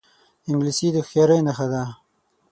انګلیسي د هوښیارۍ نښه ده